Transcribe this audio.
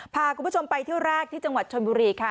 พาคุณผู้ชมไปเที่ยวแรกที่จังหวัดชนบุรีค่ะ